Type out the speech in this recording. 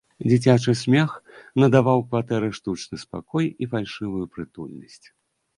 Дзіцячы смех надаваў кватэры штучны спакой і фальшывую прытульнасць.